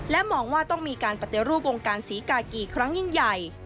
มองว่าต้องมีการปฏิรูปวงการศรีกากีครั้งยิ่งใหญ่